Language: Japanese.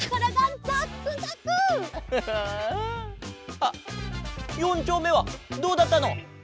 あっ４ちょうめはどうだったの？